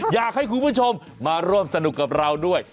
อยากให้คุณผู้ชมมาร่วมสนุกกับเราด้วย